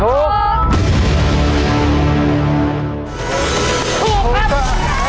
ถูกครับ